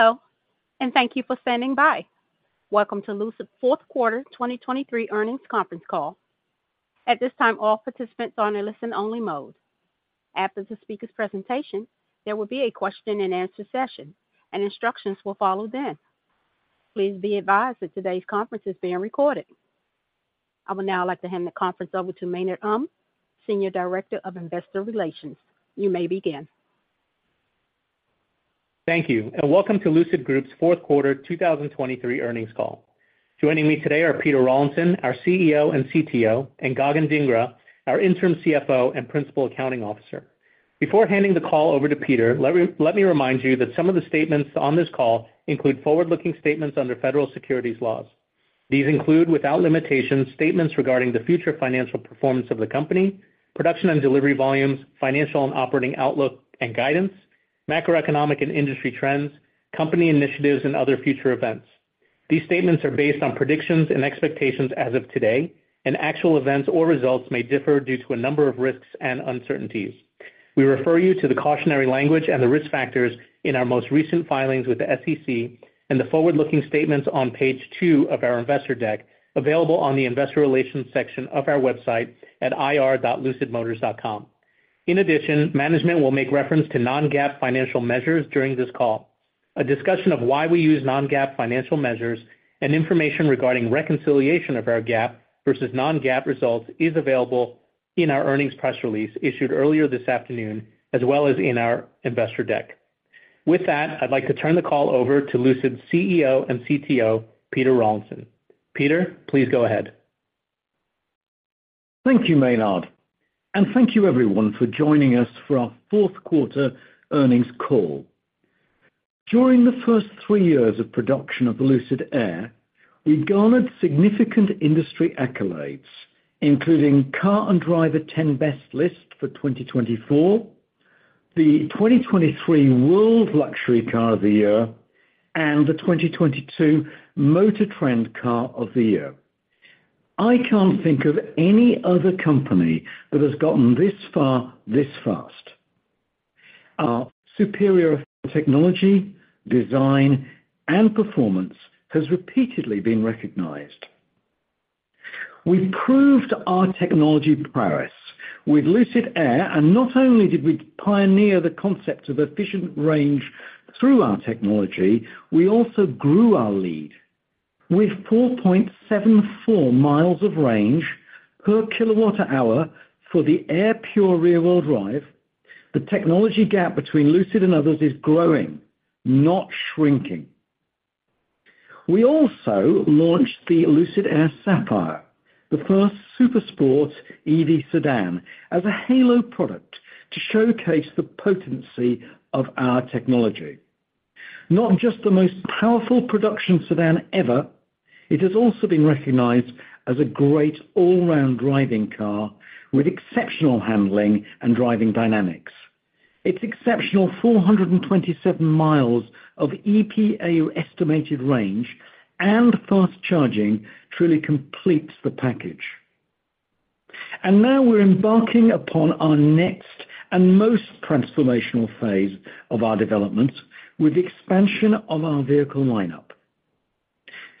Hello, and thank you for standing by. Welcome to Lucid Fourth Quarter 2023 Earnings Conference Call. At this time, all participants are in a listen-only mode. After the speaker's presentation, there will be a question-and-answer session, and instructions will follow then. Please be advised that today's conference is being recorded. I would now like to hand the conference over to Maynard Um, Senior Director of Investor Relations. You may begin. Thank you, and welcome to Lucid Group's Fourth Quarter 2023 Earnings Call. Joining me today are Peter Rawlinson, our CEO and CTO, and Gagan Dhingra, our interim CFO and Principal Accounting Officer. Before handing the call over to Peter, let me remind you that some of the statements on this call include forward-looking statements under federal securities laws. These include, without limitations, statements regarding the future financial performance of the company, production and delivery volumes, financial and operating outlook and guidance, macroeconomic and industry trends, company initiatives, and other future events. These statements are based on predictions and expectations as of today, and actual events or results may differ due to a number of risks and uncertainties. We refer you to the cautionary language and the risk factors in our most recent filings with the SEC and the forward-looking statements on page two of our investor deck available on the Investor Relations section of our website at ir.lucidmotors.com. In addition, management will make reference to non-GAAP financial measures during this call. A discussion of why we use non-GAAP financial measures and information regarding reconciliation of our GAAP versus non-GAAP results is available in our earnings press release issued earlier this afternoon, as well as in our investor deck. With that, I'd like to turn the call over to Lucid's CEO and CTO, Peter Rawlinson. Peter, please go ahead. Thank you, Maynard. Thank you everyone, for joining us for our Fourth Quarter Earnings Call. During the first three years of production of the Lucid Air, we garnered significant industry accolades, including Car and Driver 10Best list for 2024, the 2023 World Luxury Car of the Year, and the 2022 Motor Trend Car of the Year. I can't think of any other company that has gotten this far, this fast. Our superior technology, design, and performance has repeatedly been recognized. We proved our technology prowess with Lucid Air, and not only did we pioneer the concept of efficient range through our technology, we also grew our lead. With 4.74 mi of range per kWh for the Air Pure rear-wheel drive, the technology gap between Lucid and others is growing, not shrinking. We also launched the Lucid Air Sapphire, the first super sport EV sedan, as a halo product to showcase the potency of our technology. Not just the most powerful production sedan ever, it has also been recognized as a great all-round driving car with exceptional handling and driving dynamics. Its exceptional 427 mi of EPA estimated range and fast charging truly completes the package. Now we're embarking upon our next and most transformational phase of our development with the expansion of our vehicle lineup.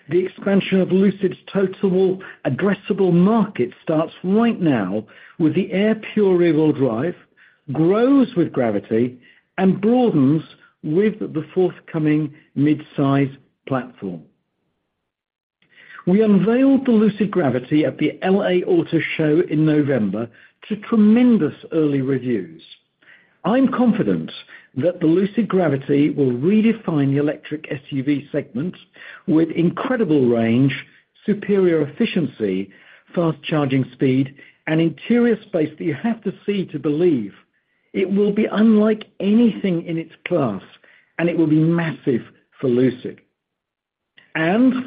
The expansion of Lucid's total addressable market starts right now with the Air Pure rear-wheel drive, grows with Gravity, and broadens with the forthcoming midsize platform. We unveiled the Lucid Gravity at the LA Auto Show in November to tremendous early reviews. I'm confident that the Lucid Gravity will redefine the electric SUV segment with incredible range, superior efficiency, fast charging speed, and interior space that you have to see to believe. It will be unlike anything in its class, and it will be massive for Lucid.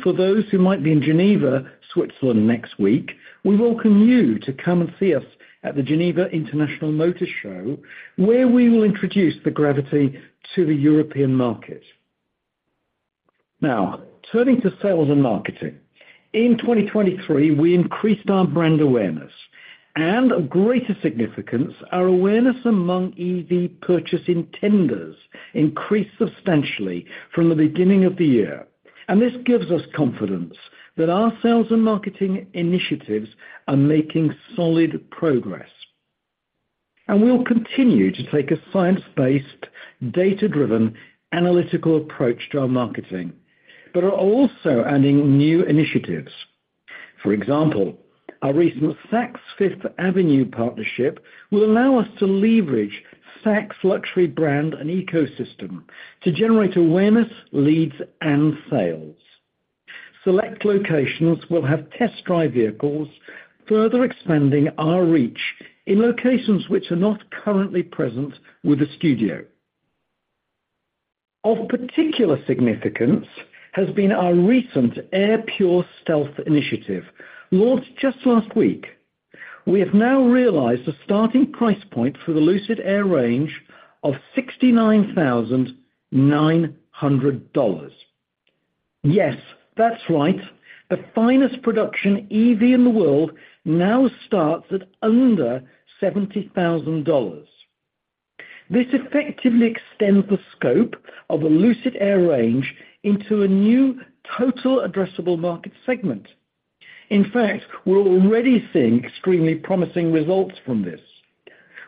For those who might be in Geneva, Switzerland next week, we welcome you to come and see us at the Geneva International Motor Show, where we will introduce the Gravity to the European Market. Now, turning to sales and marketing. In 2023, we increased our brand awareness, and of greater significance, our awareness among EV purchase intenders increased substantially from the beginning of the year. This gives us confidence that our sales and marketing initiatives are making solid progress. We'll continue to take a science-based, data-driven, analytical approach to our marketing, but are also adding new initiatives. For example, our recent Saks Fifth Avenue partnership will allow us to leverage Saks luxury brand and ecosystem to generate awareness, leads, and sales. Select locations will have test drive vehicles, further expanding our reach in locations which are not currently present with the studio. Of particular significance has been our recent Air Pure Stealth initiative launched just last week. We have now realized the starting price point for the Lucid Air range of $69,900. Yes, that's right. The finest production EV in the world now starts at under $70,000. This effectively extends the scope of the Lucid Air range into a new total addressable market segment. In fact, we're already seeing extremely promising results from this.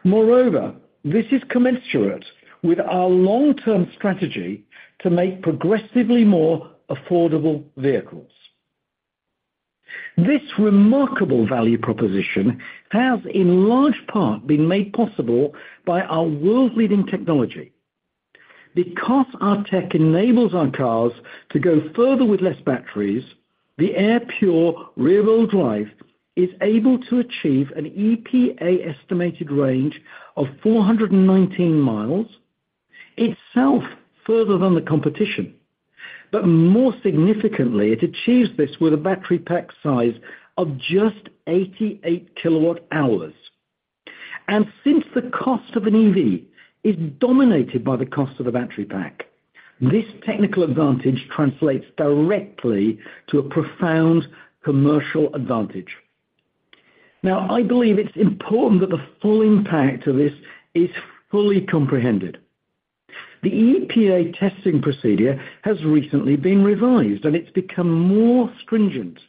Moreover, this is commensurate with our long-term strategy to make progressively more affordable vehicles. This remarkable value proposition has, in large part, been made possible by our world-leading technology. Because our tech enables our cars to go further with less batteries, the Air Pure rear-wheel drive is able to achieve an EPA estimated range of 419 mi, itself further than the competition. But more significantly, it achieves this with a battery pack size of just 88 kWh. And since the cost of an EV is dominated by the cost of the battery pack, this technical advantage translates directly to a profound commercial advantage. Now, I believe it's important that the full impact of this is fully comprehended. The EPA testing procedure has recently been revised, and it's become more stringent.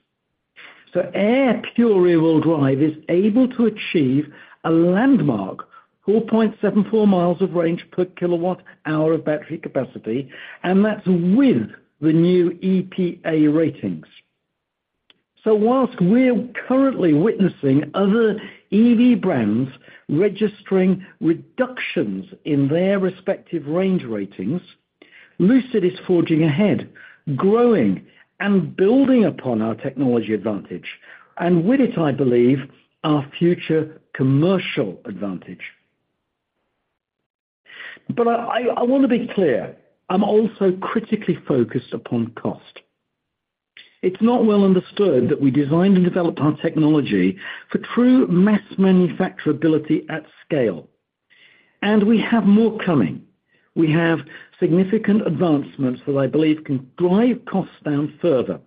So Air Pure rear-wheel drive is able to achieve a landmark 4.74 mi per kWh of battery capacity, and that's with the new EPA ratings. So while we're currently witnessing other EV brands registering reductions in their respective range ratings, Lucid is forging ahead, growing, and building upon our technology advantage, and with it, I believe, our future commercial advantage. But I want to be clear. I'm also critically focused upon cost. It's not well understood that we designed and developed our technology for true mass manufacturability at scale. And we have more coming. We have significant advancements that I believe can drive costs down further.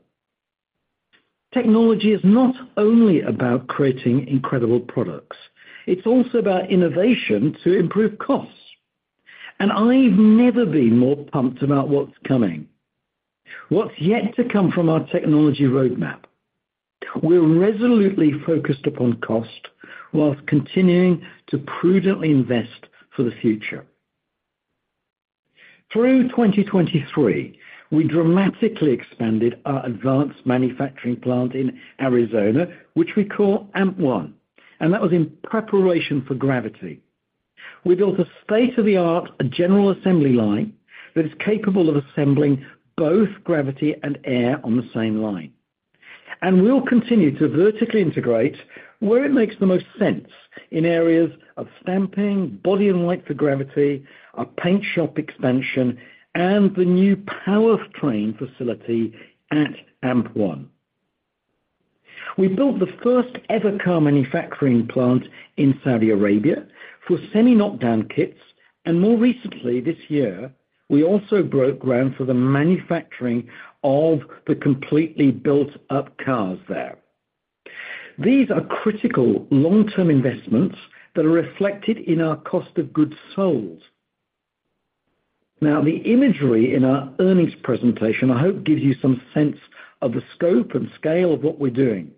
Technology is not only about creating incredible products. It's also about innovation to improve costs. And I've never been more pumped about what's coming, what's yet to come from our technology roadmap. We're resolutely focused upon cost while continuing to prudently invest for the future. Through 2023, we dramatically expanded our advanced manufacturing plant in Arizona, which we call AMP-1, and that was in preparation for Gravity. We built a state-of-the-art general assembly line that is capable of assembling both Gravity and Air on the same line. We'll continue to vertically integrate where it makes the most sense in areas of stamping, Body-in-White for Gravity, our paint shop expansion, and the new powertrain facility at AMP-1.. We built the first-ever car manufacturing plant in Saudi Arabia for semi-knockdown kits, and more recently this year, we also broke ground for the manufacturing of the completely built-up cars there. These are critical long-term investments that are reflected in our cost of goods sold. Now, the imagery in our earnings presentation, I hope, gives you some sense of the scope and scale of what we're doing.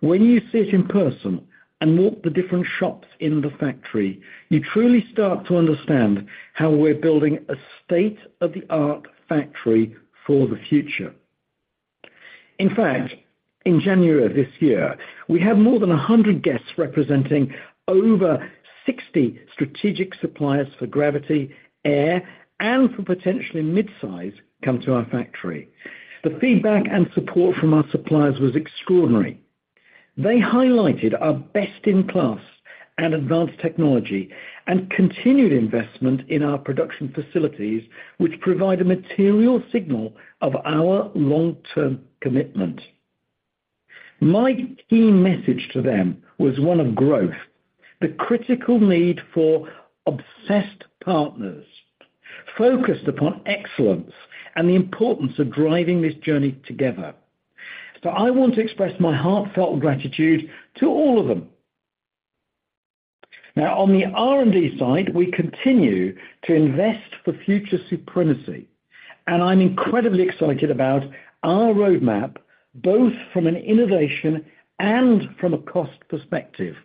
When you see it in person and walk the different shops in the factory, you truly start to understand how we're building a state-of-the-art factory for the future. In fact, in January of this year, we had more than 100 guests representing over 60 strategic suppliers for Gravity, Air, and for potentially midsize come to our factory. The feedback and support from our suppliers was extraordinary. They highlighted our best-in-class and advanced technology and continued investment in our production facilities, which provide a material signal of our long-term commitment. My key message to them was one of growth, the critical need for obsessed partners focused upon excellence and the importance of driving this journey together. So I want to express my heartfelt gratitude to all of them. Now, on the R&D side, we continue to invest for future supremacy, and I'm incredibly excited about our roadmap, both from an innovation and from a cost perspective.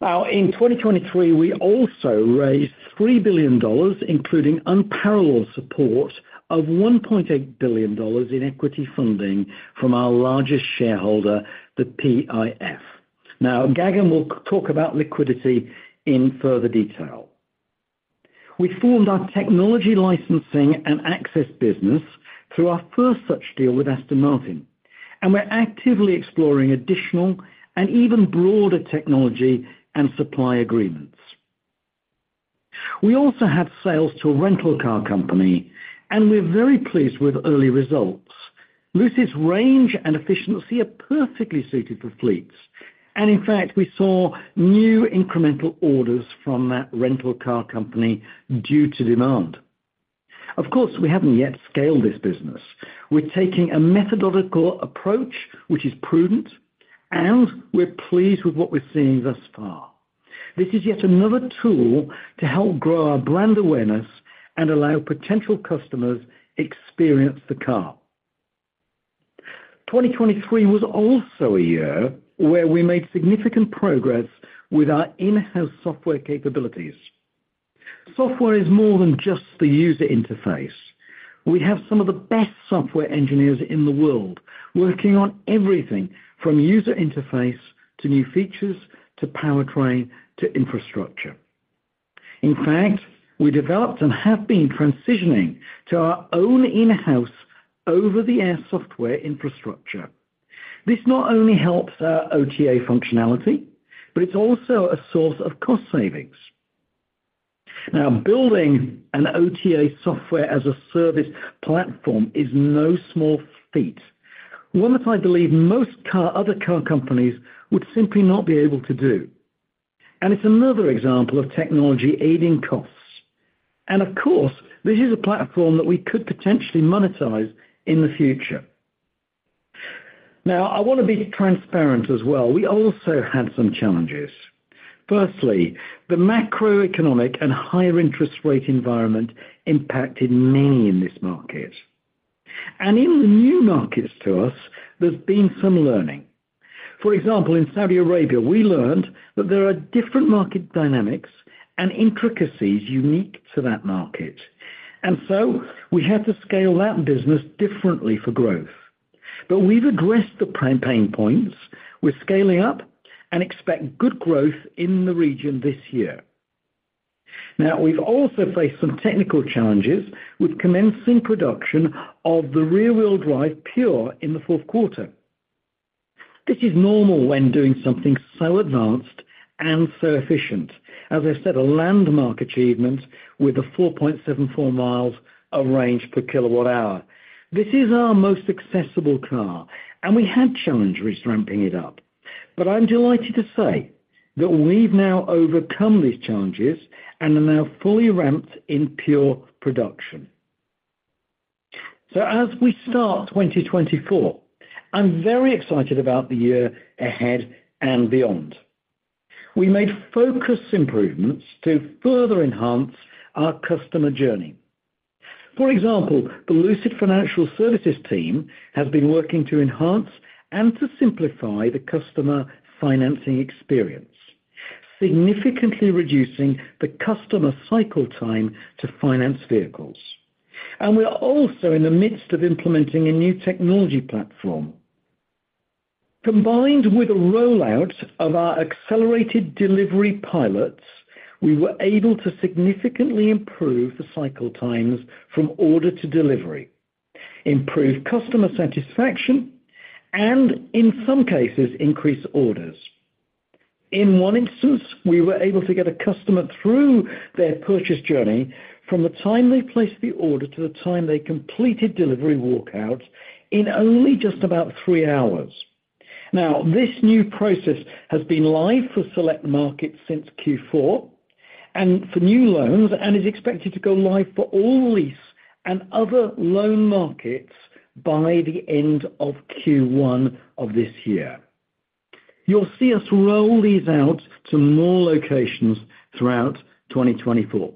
Now, in 2023, we also raised $3 billion, including unparalleled support of $1.8 billion in equity funding from our largest shareholder, the PIF. Now, Gagan will talk about liquidity in further detail. We formed our technology licensing and access business through our first such deal with Aston Martin, and we're actively exploring additional and even broader technology and supply agreements. We also had sales to a rental car company, and we're very pleased with early results. Lucid's range and efficiency are perfectly suited for fleets. And in fact, we saw new incremental orders from that rental car company due to demand. Of course, we haven't yet scaled this business. We're taking a methodological approach, which is prudent, and we're pleased with what we're seeing thus far. This is yet another tool to help grow our brand awareness and allow potential customers to experience the car. 2023 was also a year where we made significant progress with our in-house software capabilities. Software is more than just the user interface. We have some of the best software engineers in the world working on everything from user interface to new features to powertrain to infrastructure. In fact, we developed and have been transitioning to our own in-house over-the-air software infrastructure. This not only helps our OTA functionality, but it's also a source of cost savings. Now, building an OTA software as a service platform is no small feat, one that I believe most other car companies would simply not be able to do. It's another example of technology aiding costs. Of course, this is a platform that we could potentially monetize in the future. Now, I want to be transparent as well. We also had some challenges. Firstly, the macroeconomic and higher interest rate environment impacted many in this market. In the new markets to us, there's been some learning. For example, in Saudi Arabia, we learned that there are different market dynamics and intricacies unique to that market. And so we had to scale that business differently for growth. But we've addressed the pain points with scaling up and expect good growth in the region this year. Now, we've also faced some technical challenges with commencing production of the rear-wheel drive Pure in the fourth quarter. This is normal when doing something so advanced and so efficient. As I said, a landmark achievement with the 4.74 mi of range per kWh. This is our most accessible car, and we had challenges ramping it up. But I'm delighted to say that we've now overcome these challenges and are now fully ramped in Pure production. So as we start 2024, I'm very excited about the year ahead and beyond. We made focused improvements to further enhance our customer journey. For example, the Lucid Financial Services team has been working to enhance and to simplify the customer financing experience, significantly reducing the customer cycle time to finance vehicles. We're also in the midst of implementing a new technology platform. Combined with a rollout of our accelerated delivery pilots, we were able to significantly improve the cycle times from order to delivery, improve customer satisfaction, and in some cases, increase orders. In one instance, we were able to get a customer through their purchase journey from the time they placed the order to the time they completed delivery walkouts in only just about three hours. Now, this new process has been live for select markets since Q4 and for new loans and is expected to go live for all lease and other loan markets by the end of Q1 of this year. You'll see us roll these out to more locations throughout 2024.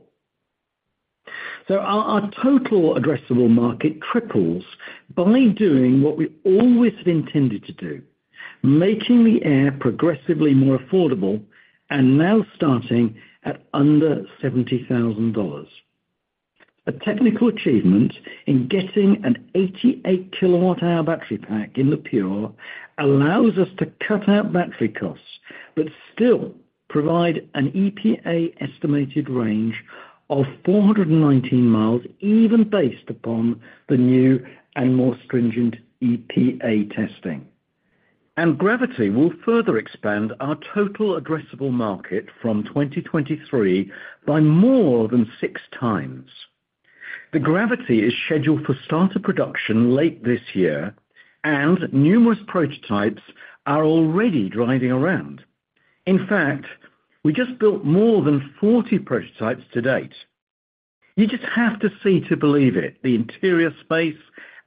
So our total addressable market triples by doing what we always have intended to do, making the Air progressively more affordable and now starting at under $70,000. A technical achievement in getting an 88 kWh battery pack in the Pure allows us to cut out battery costs but still provide an EPA estimated range of 419 mi, even based upon the new and more stringent EPA testing. And Gravity will further expand our total addressable market from 2023 by more than six times. The Gravity is scheduled for start of production late this year, and numerous prototypes are already driving around. In fact, we just built more than 40 prototypes to date. You just have to see to believe it. The interior space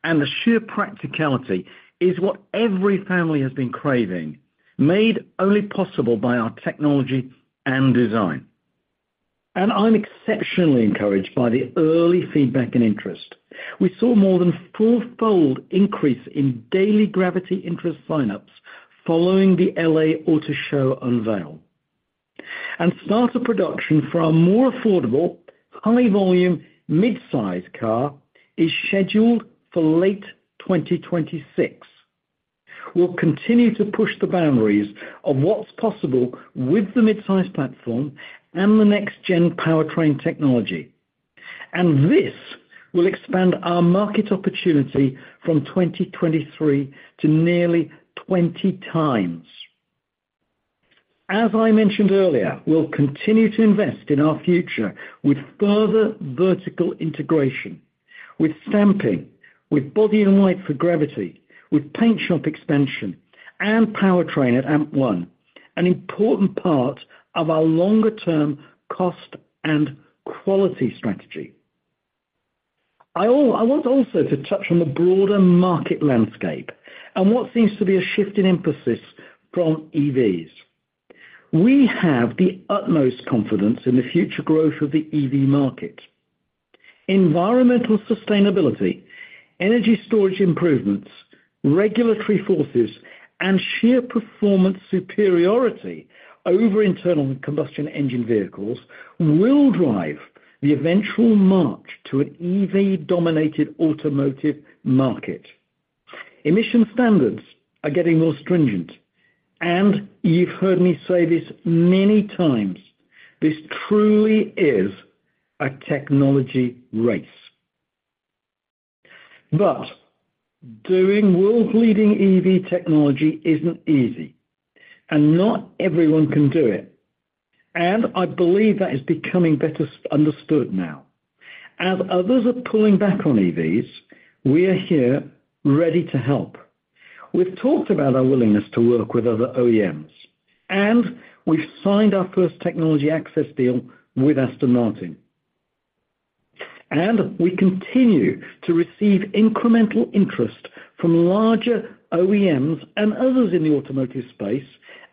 and the sheer practicality is what every family has been craving, made only possible by our technology and design. I'm exceptionally encouraged by the early feedback and interest. We saw more than fourfold increase in daily Gravity interest signups following the L.A. Auto Show unveil. Start of production for our more affordable, high-volume, midsize car is scheduled for late 2026. We'll continue to push the boundaries of what's possible with the midsize platform and the next-gen powertrain technology. This will expand our market opportunity from 2023 to nearly 20 times. As I mentioned earlier, we'll continue to invest in our future with further vertical integration, with stamping, with Body in White for Gravity, with paint shop expansion, and powertrain at AMP-1, an important part of our longer-term cost and quality strategy. I want also to touch on the broader market landscape and what seems to be a shift in emphasis from EVs. We have the utmost confidence in the future growth of the EV market. Environmental sustainability, energy storage improvements, regulatory forces, and sheer performance superiority over internal combustion engine vehicles will drive the eventual march to an EV-dominated automotive market. Emission standards are getting more stringent, and you've heard me say this many times. This truly is a technology race. But doing world-leading EV technology isn't easy, and not everyone can do it. And I believe that is becoming better understood now. As others are pulling back on EV's, we are here ready to help. We've talked about our willingness to work with other OEMs, and we've signed our first technology access deal with Aston Martin. We continue to receive incremental interest from larger OEMs and others in the automotive space,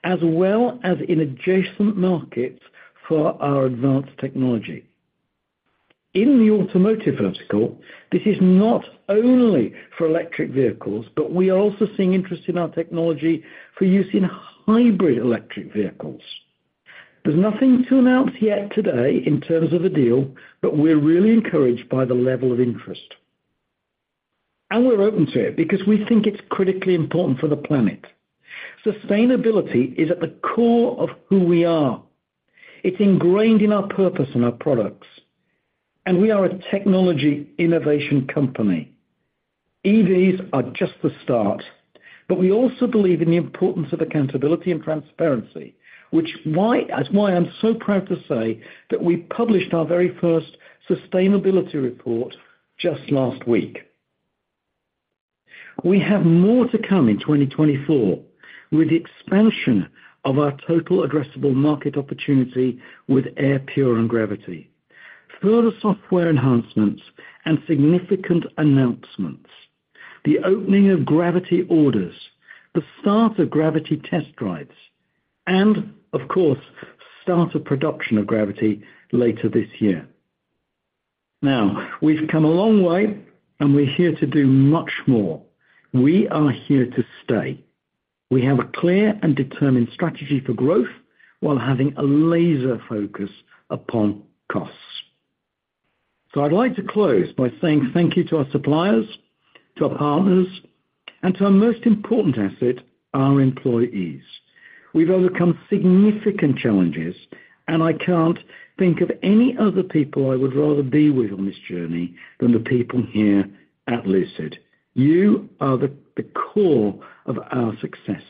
as well as in adjacent markets for our advanced technology. In the automotive vertical, this is not only for electric vehicles, but we are also seeing interest in our technology for use in hybrid electric vehicles. There's nothing to announce yet today in terms of a deal, but we're really encouraged by the level of interest. We're open to it because we think it's critically important for the planet. Sustainability is at the core of who we are. It's ingrained in our purpose and our products. We are a technology innovation company. EV's are just the start, but we also believe in the importance of accountability and transparency, which is why I'm so proud to say that we published our very first sustainability report just last week. We have more to come in 2024 with the expansion of our total addressable market opportunity with Air Pure and Gravity, further software enhancements, and significant announcements, the opening of Gravity orders, the start of Gravity test drives, and of course, start of production of Gravity later this year. Now, we've come a long way, and we're here to do much more. We are here to stay. We have a clear and determined strategy for growth while having a laser focus upon costs. So I'd like to close by saying thank you to our suppliers, to our partners, and to our most important asset, our employees. We've overcome significant challenges, and I can't think of any other people I would rather be with on this journey than the people here at Lucid. You are the core of our successes.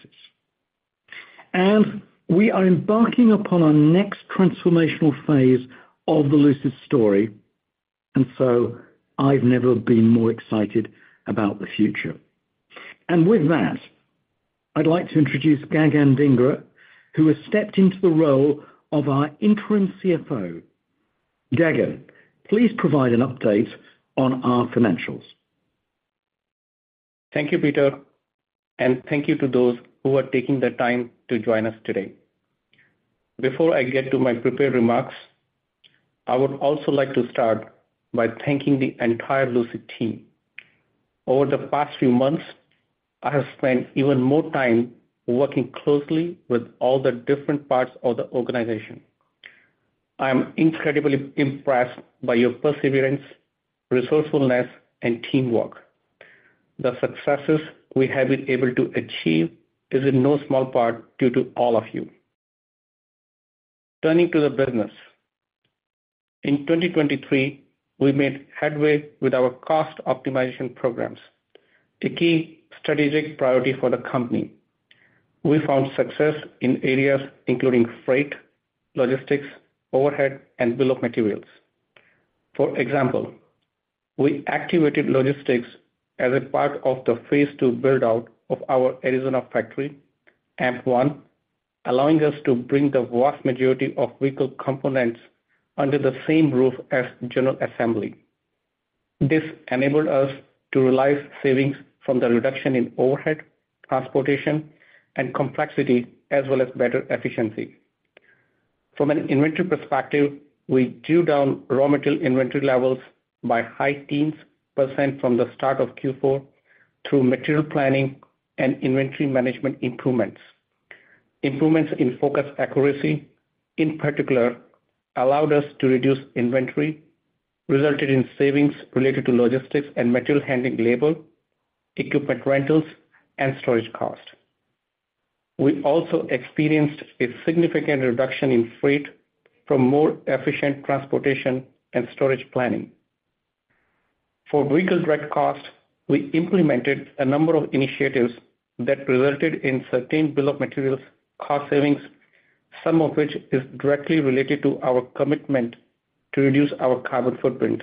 We are embarking upon our next transformational phase of the Lucid story. So I've never been more excited about the future. With that, I'd like to introduce Gagan Dhingra, who has stepped into the role of our Interim CFO. Gagan, please provide an update on our financials. Thank you, Peter. Thank you to those who are taking the time to join us today. Before I get to my prepared remarks, I would also like to start by thanking the entire Lucid team. Over the past few months, I have spent even more time working closely with all the different parts of the organization. I am incredibly impressed by your perseverance, resourcefulness, and teamwork. The successes we have been able to achieve is in no small part due to all of you. Turning to the business, in 2023, we made headway with our cost optimization programs, a key strategic priority for the company. We found success in areas including freight, logistics, overhead, and bill of materials. For example, we activated logistics as a part of the phase two build-out of our Arizona factory, AMP-1, allowing us to bring the vast majority of vehicle components under the same roof as general assembly. This enabled us to realize savings from the reduction in overhead, transportation, and complexity, as well as better efficiency. From an inventory perspective, we drew down raw material inventory levels by high teens% from the start of Q4 through material planning and inventory management improvements. Improvements in forecast accuracy, in particular, allowed us to reduce inventory, resulting in savings related to logistics and material handling labor, equipment rentals, and storage costs. We also experienced a significant reduction in freight from more efficient transportation and storage planning. For vehicle direct cost, we implemented a number of initiatives that resulted in certain bill of materials cost savings, some of which is directly related to our commitment to reduce our carbon footprint.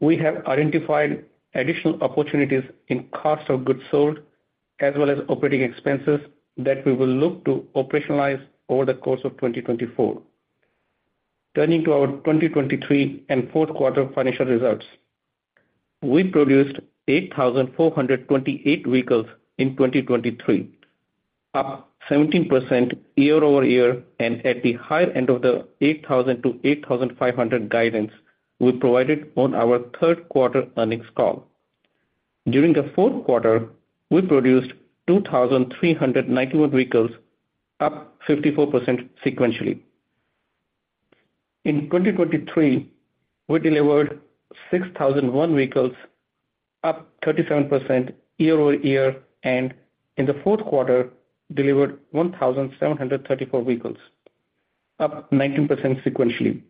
We have identified additional opportunities in cost of goods sold, as well as operating expenses that we will look to operationalize over the course of 2024. Turning to our 2023 and fourth quarter financial results, we produced 8,428 vehicles in 2023, up 17% year-over-year, and at the higher end of the 8,000-8,500 guidance we provided on our third quarter earnings call. During the fourth quarter, we produced 2,391 vehicles, up 54% sequentially. In 2023, we delivered 6,001 vehicles, up 37% year-over-year, and in the fourth quarter, delivered 1,734 vehicles, up 19% sequentially.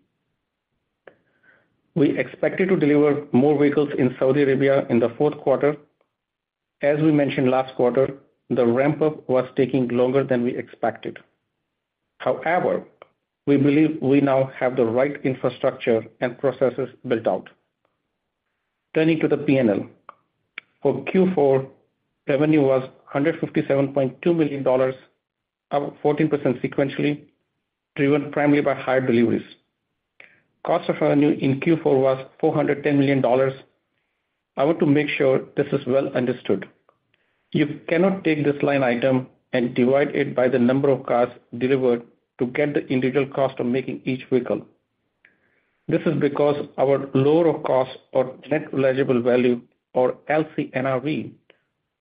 We expected to deliver more vehicles in Saudi Arabia in the fourth quarter. As we mentioned last quarter, the ramp-up was taking longer than we expected. However, we believe we now have the right infrastructure and processes built out. Turning to the P&L, for Q4, revenue was $157.2 million, up 14% sequentially, driven primarily by higher deliveries. Cost of revenue in Q4 was $410 million. I want to make sure this is well understood. You cannot take this line item and divide it by the number of cars delivered to get the individual cost of making each vehicle. This is because our lower cost or net realizable value, or LCNRV,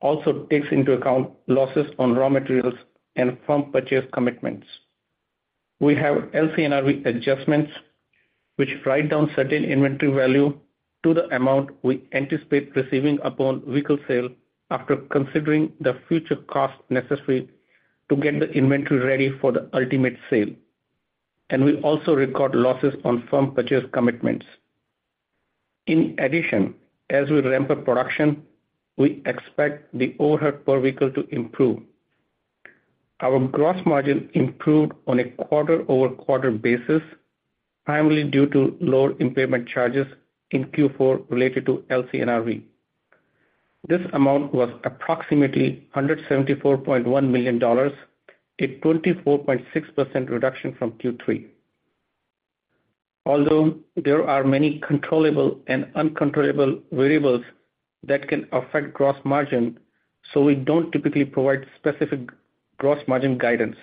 also takes into account losses on raw materials and firm purchase commitments. We have LCNRV adjustments, which write down certain inventory value to the amount we anticipate receiving upon vehicle sale after considering the future costs necessary to get the inventory ready for the ultimate sale. We also record losses on firm purchase commitments. In addition, as we ramp up production, we expect the overhead per vehicle to improve. Our gross margin improved on a quarter-over-quarter basis, primarily due to lower impairment charges in Q4 related to LCNRV. This amount was approximately $174.1 million, a 24.6% reduction from Q3. Although there are many controllable and uncontrollable variables that can affect gross margin, so we don't typically provide specific gross margin guidance.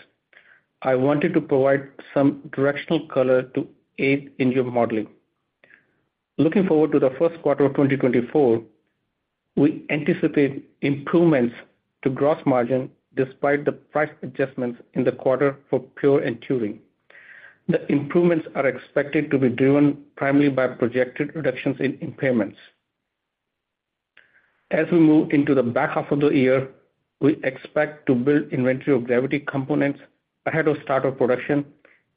I wanted to provide some directional color to aid in your modeling. Looking forward to the first quarter of 2024, we anticipate improvements to gross margin despite the price adjustments in the quarter for Pure and Turing. The improvements are expected to be driven primarily by projected reductions in impairments. As we move into the back half of the year, we expect to build inventory of Gravity components ahead of start of production,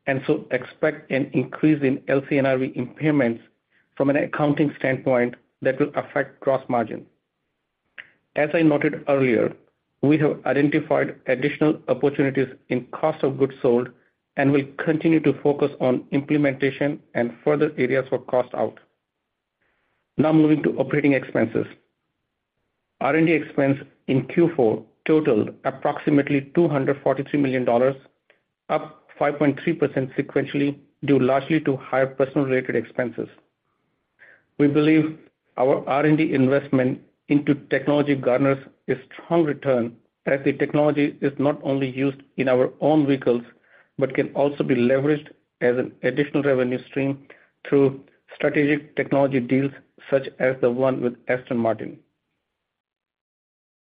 and so expect an increase in LCNRV impairments from an accounting standpoint that will affect gross margin. As I noted earlier, we have identified additional opportunities in cost of goods sold and will continue to focus on implementation and further areas for cost out. Now moving to operating expenses. R&D expense in Q4 totaled approximately $243 million, up 5.3% sequentially, due largely to higher personnel-related expenses. We believe our R&D investment into technology garners a strong return as the technology is not only used in our own vehicles but can also be leveraged as an additional revenue stream through strategic technology deals such as the one with Aston Martin.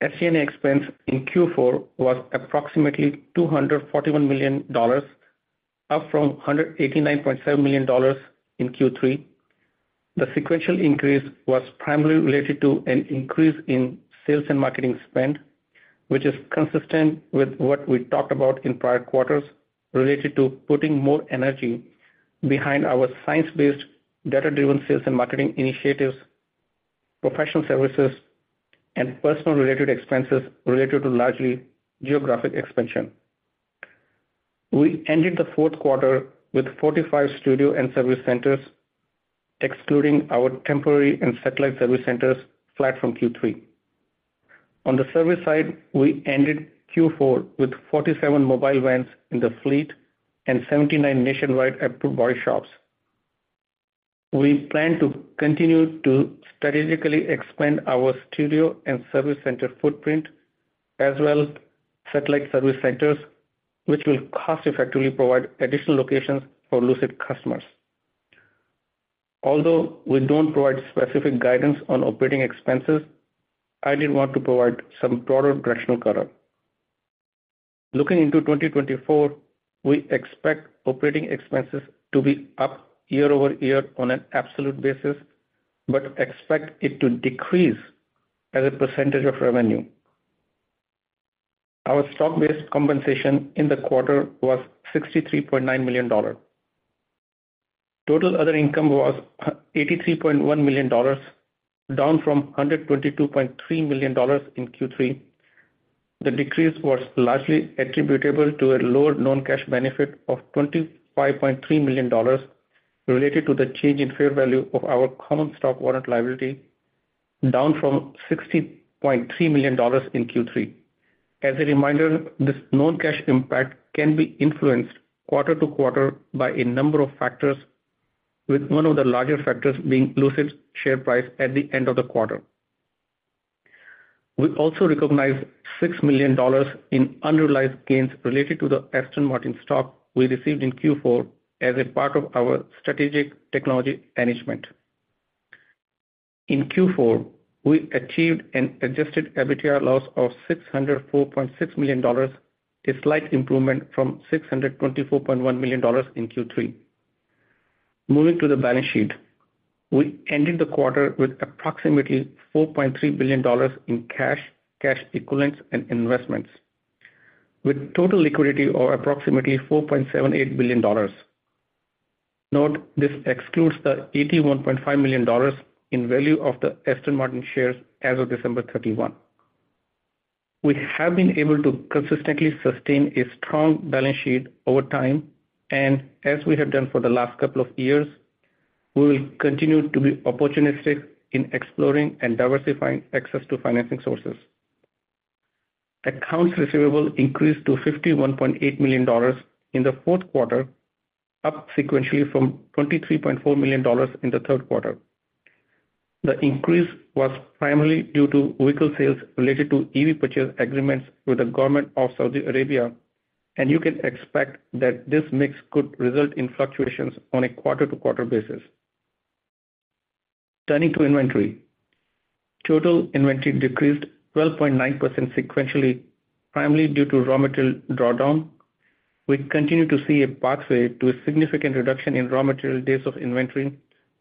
SG&A expense in Q4 was approximately $241 million, up from $189.7 million in Q3. The sequential increase was primarily related to an increase in sales and marketing spend, which is consistent with what we talked about in prior quarters related to putting more energy behind our science-based, data-driven sales and marketing initiatives, professional services, and personnel-related expenses related to largely geographic expansion. We ended the fourth quarter with 45 studio and service centers, excluding our temporary and satellite service centers, flat from Q3. On the service side, we ended Q4 with 47 mobile vans in the fleet and 79 nationwide approved body shops. We plan to continue to strategically expand our studio and service center footprint, as well as satellite service centers, which will cost-effectively provide additional locations for Lucid customers. Although we don't provide specific guidance on operating expenses, I did want to provide some broader directional color. Looking into 2024, we expect operating expenses to be up year-over-year on an absolute basis, but expect it to decrease as a percentage of revenue. Our stock-based compensation in the quarter was $63.9 million. Total other income was $83.1 million, down from $122.3 million in Q3. The decrease was largely attributable to a lower non-cash benefit of $25.3 million related to the change in fair value of our common stock warrant liability, down from $60.3 million in Q3. As a reminder, this non-cash impact can be influenced quarter-to-quarter by a number of factors, with one of the larger factors being Lucid's share price at the end of the quarter. We also recognize $6 million in unrealized gains related to the Aston Martin stock we received in Q4 as a part of our strategic technology management. In Q4, we achieved an adjusted EBITDA loss of $604.6 million, a slight improvement from $624.1 million in Q3. Moving to the balance sheet, we ended the quarter with approximately $4.3 billion in cash, cash equivalents, and investments, with total liquidity of approximately $4.78 billion. Note, this excludes the $81.5 million in value of the Aston Martin shares as of December 31. We have been able to consistently sustain a strong balance sheet over time, and as we have done for the last couple of years, we will continue to be opportunistic in exploring and diversifying access to financing sources. Accounts receivable increased to $51.8 million in the fourth quarter, up sequentially from $23.4 million in the third quarter. The increase was primarily due to vehicle sales related to EV purchase agreements with the government of Saudi Arabia, and you can expect that this mix could result in fluctuations on a quarter-to-quarter basis. Turning to inventory, total inventory decreased 12.9% sequentially, primarily due to raw material drawdown. We continue to see a pathway to a significant reduction in raw material days of inventory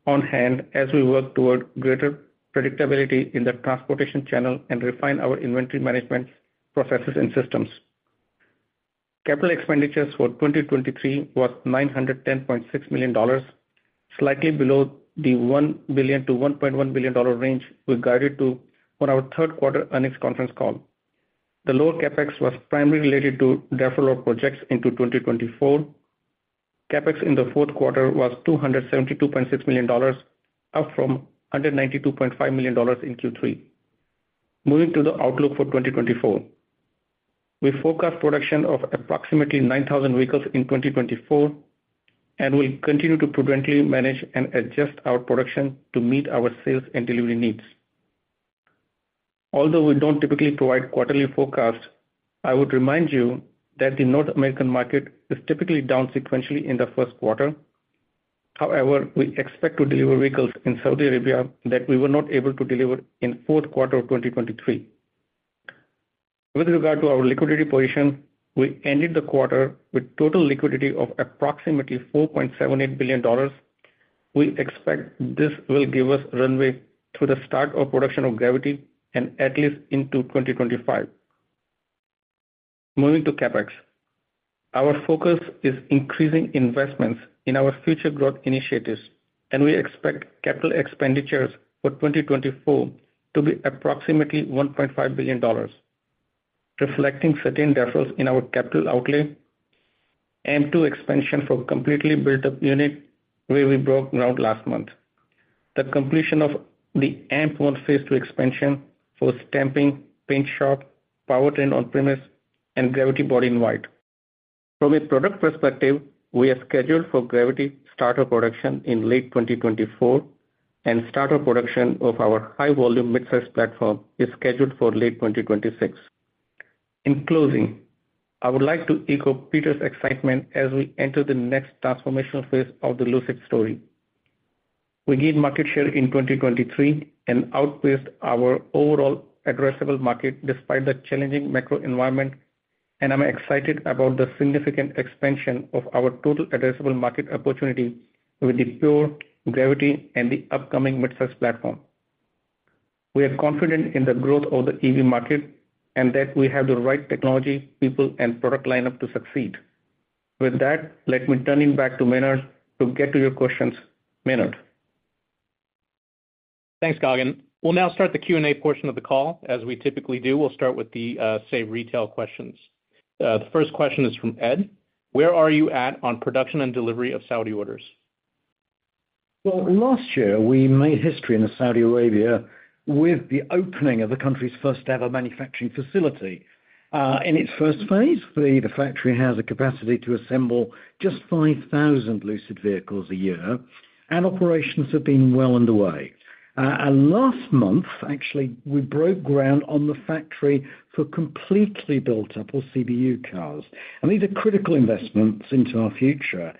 on hand as we work toward greater predictability in the transportation channel and refine our inventory management processes and systems. Capital expenditures for 2023 was $910.6 million, slightly below the $1 billion-$1.1 billion range we guided to on our third quarter earnings conference call. The lower CapEx was primarily related to deferral of projects into 2024. CapEx in the fourth quarter was $272.6 million, up from $192.5 million in Q3. Moving to the outlook for 2024, we forecast production of approximately 9,000 vehicles in 2024 and will continue to prudently manage and adjust our production to meet our sales and delivery needs. Although we don't typically provide quarterly forecasts, I would remind you that the North American market is typically down sequentially in the first quarter. However, we expect to deliver vehicles in Saudi Arabia that we were not able to deliver in the fourth quarter of 2023. With regard to our liquidity position, we ended the quarter with total liquidity of approximately $4.78 billion. We expect this will give us runway through the start of production of Gravity and at least into 2025. Moving to CapEx, our focus is increasing investments in our future growth initiatives, and we expect capital expenditures for 2024 to be approximately $1.5 billion, reflecting certain deferrals in our capital outlay, AMP-2 expansion for completely built-up unit where we broke ground last month, the completion of the AMP-1 Phase 2 expansion for stamping, paint shop, powertrain on-premise, and Gravity Body in White. From a product perspective, we are scheduled for Gravity start of production in late 2024, and start of production of our high-volume midsize platform is scheduled for late 2026. In closing, I would like to echo Peter's excitement as we enter the next transformational phase of the Lucid story. We gained market share in 2023 and outpaced our overall addressable market despite the challenging macro environment, and I'm excited about the significant expansion of our total addressable market opportunity with the Pure, Gravity, and the upcoming midsize platform. We are confident in the growth of the EV market and that we have the right technology, people, and product lineup to succeed. With that, let me turn it back to Maynard to get to your questions. Maynard. Thanks, Gagan. We'll now start the Q&A portion of the call as we typically do. We'll start with the saved retail questions. The first question is from Ed. Where are you at on production and delivery of Saudi orders? Well, last year, we made history in Saudi Arabia with the opening of the country's first-ever manufacturing facility. In its first phase, the factory has a capacity to assemble just 5,000 Lucid vehicles a year, and operations have been well underway. And last month, actually, we broke ground on the factory for completely built-up or CBU cars. And these are critical investments into our future.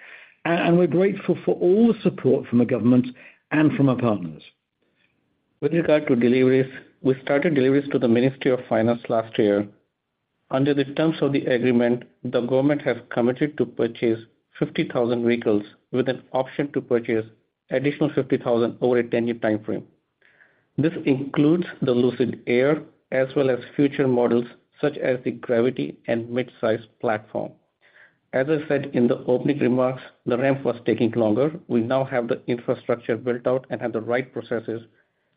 And we're grateful for all the support from the government and from our partners. With regard to deliveries, we started deliveries to the Ministry of Finance last year. Under the terms of the agreement, the government has committed to purchase 50,000 vehicles with an option to purchase additional 50,000 over a 10-year time frame. This includes the Lucid Air as well as future models such as the Gravity and midsize platform. As I said in the opening remarks, the ramp was taking longer. We now have the infrastructure built out and have the right processes.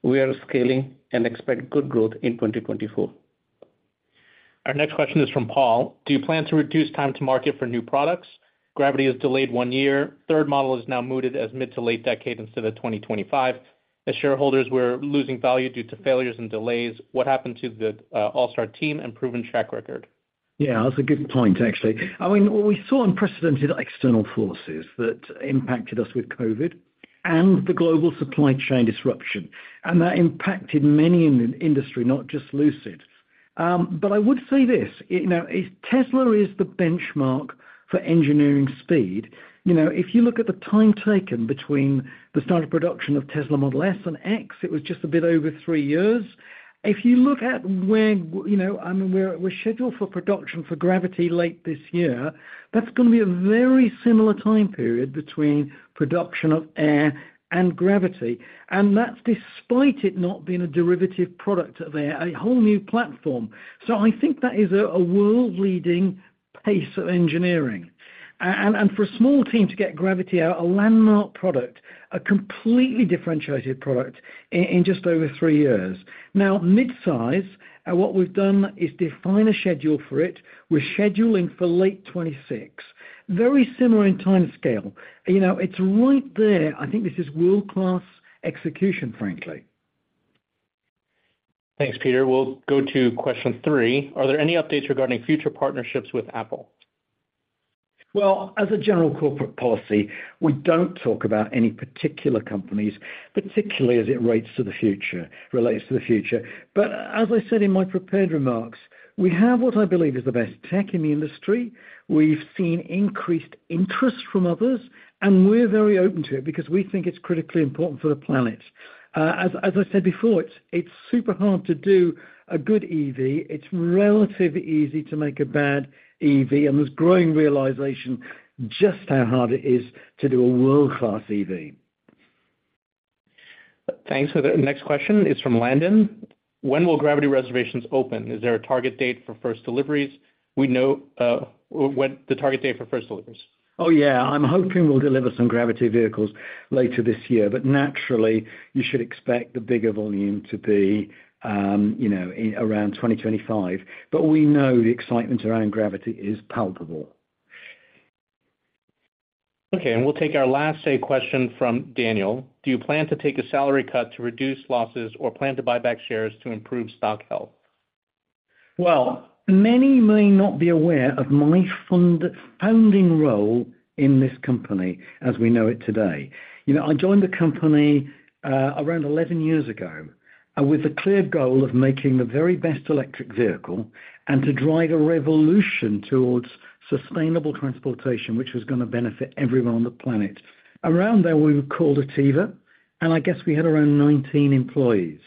We are scaling and expect good growth in 2024. Our next question is from Paul. Do you plan to reduce time to market for new products? Gravity is delayed one year. Third model is now mooted as mid to late decade instead of 2025. As shareholders, we're losing value due to failures and delays. What happened to the All-Star team and proven track record? Yeah, that's a good point, actually. I mean, what we saw unprecedented external forces that impacted us with COVID and the global supply chain disruption, and that impacted many in the industry, not just Lucid. But I would say this: Tesla is the benchmark for engineering speed. If you look at the time taken between the start of production of Tesla Model S and X, it was just a bit over three years. If you look at where I mean, we're scheduled for production for Gravity late this year. That's going to be a very similar time period between production of Air and Gravity. And that's despite it not being a derivative product of Air, a whole new platform. So I think that is a world-leading pace of engineering. And for a small team to get Gravity out, a landmark product, a completely differentiated product in just over three years. Now, midsize, what we've done is define a schedule for it. We're scheduling for late 2026, very similar in timescale. It's right there. I think this is world-class execution, frankly. Thanks, Peter. We'll go to question three. Are there any updates regarding future partnerships with Apple? Well, as a general corporate policy, we don't talk about any particular companies, particularly as it relates to the future. But as I said in my prepared remarks, we have what I believe is the best tech in the industry. We've seen increased interest from others, and we're very open to it because we think it's critically important for the planet. As I said before, it's super hard to do a good EV. It's relatively easy to make a bad EV, and there's growing realization just how hard it is to do a world-class EV. Thanks, Peter. Next question is from Landon. When will Gravity reservations open? Is there a target date for first deliveries? We know the target date for first deliveries. Oh, yeah. I'm hoping we'll deliver some Gravity vehicles later this year, but naturally, you should expect the bigger volume to be around 2025. But we know the excitement around Gravity is palpable. Okay. We'll take our last question from Daniel. Do you plan to take a salary cut to reduce losses or plan to buy back shares to improve stock health? Well, many may not be aware of my founding role in this company as we know it today. I joined the company around 11 years ago with the clear goal of making the very best electric vehicle and to drive a revolution towards sustainable transportation, which was going to benefit everyone on the planet. Around there, we were called Atieva, and I guess we had around 19 employees.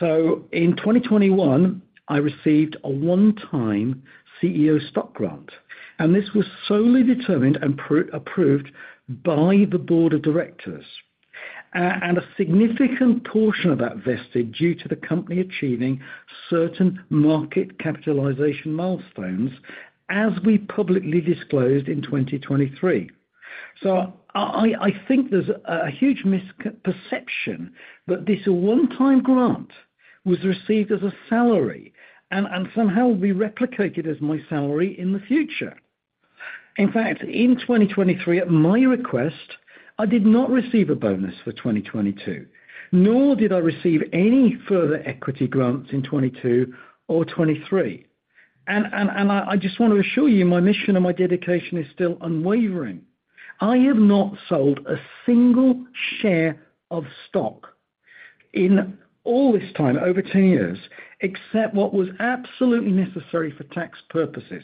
In 2021, I received a one-time CEO stock grant. This was solely determined and approved by the board of directors, and a significant portion of that vested due to the company achieving certain market capitalization milestones as we publicly disclosed in 2023. So I think there's a huge misperception that this one-time grant was received as a salary and somehow will be replicated as my salary in the future. In fact, in 2023, at my request, I did not receive a bonus for 2022, nor did I receive any further equity grants in 2022 or 2023. I just want to assure you, my mission and my dedication is still unwavering. I have not sold a single share of stock in all this time, over 10 years, except what was absolutely necessary for tax purposes.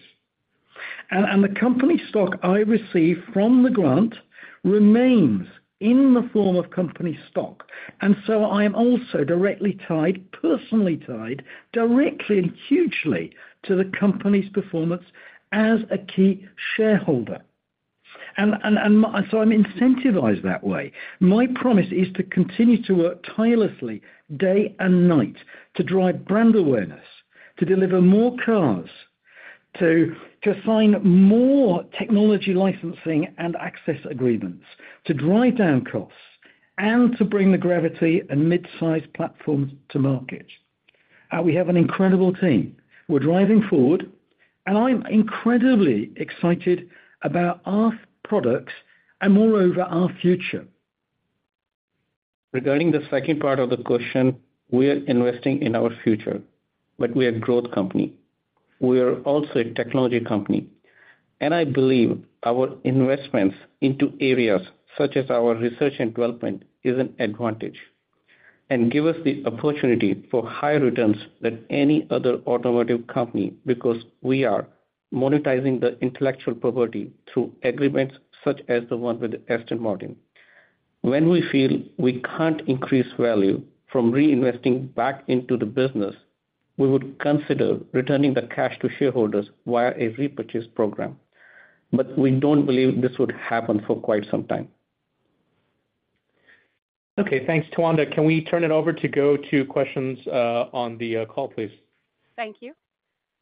And the company stock I received from the grant remains in the form of company stock. And so I am also directly tied, personally tied, directly and hugely to the company's performance as a key shareholder. And so I'm incentivized that way. My promise is to continue to work tirelessly day and night to drive brand awareness, to deliver more cars, to assign more technology licensing and access agreements, to drive down costs, and to bring the Gravity and midsize platforms to market. We have an incredible team. We're driving forward, and I'm incredibly excited about our products and, moreover, our future. Regarding the second part of the question, we are investing in our future, but we are a growth company. We are also a technology company. And I believe our investments into areas such as our research and development is an advantage and gives us the opportunity for higher returns than any other automotive company because we are monetizing the intellectual property through agreements such as the one with Aston Martin. When we feel we can't increase value from reinvesting back into the business, we would consider returning the cash to shareholders via a repurchase program. But we don't believe this would happen for quite some time. Okay. Thanks, Tawanda. Can we turn it over to go to questions on the call, please? Thank you.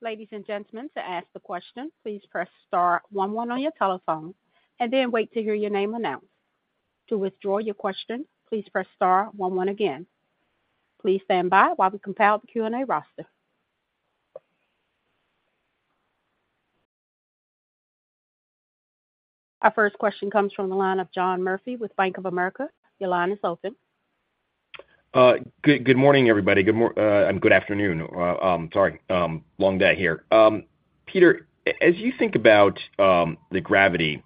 Ladies and gentlemen, to ask the question, please press star 11 on your telephone and then wait to hear your name announced. To withdraw your question, please press star 11 again. Please stand by while we compile the Q&A roster. Our first question comes from the line of John Murphy with Bank of America. Your line is open. Good morning, everybody. Good afternoon. Sorry, long day here. Peter, as you think about the Gravity,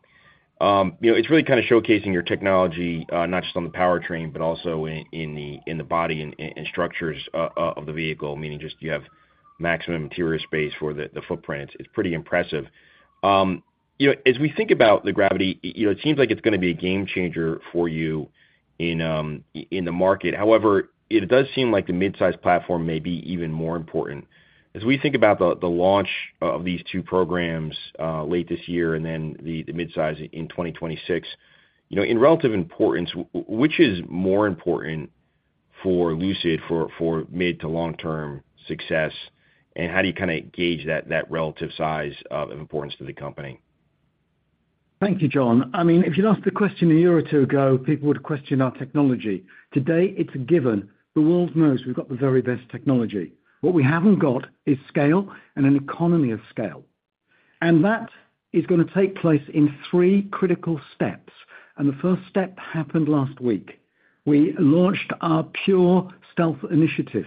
it's really kind of showcasing your technology, not just on the powertrain, but also in the body and structures of the vehicle, meaning just you have maximum interior space for the footprint. It's pretty impressive. As we think about the Gravity, it seems like it's going to be a game-changer for you in the market. However, it does seem like the midsize platform may be even more important. As we think about the launch of these two programs late this year and then the midsize in 2026, in relative importance, which is more important for Lucid for mid to long-term success, and how do you kind of gauge that relative size of importance to the company? Thank you, John. I mean, if you'd asked the question a year or two ago, people would question our technology. Today, it's a given. The world knows we've got the very best technology. What we haven't got is scale and an economy of scale. And that is going to take place in three critical steps. And the first step happened last week. We launched our Pure Stealth initiative.